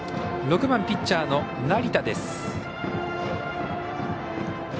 ６番ピッチャーの成田です。